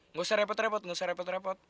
nggak usah repot repot nggak usah repot repot